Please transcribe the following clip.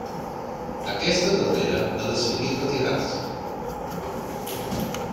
Aquesta darrera va decidir retirar-se.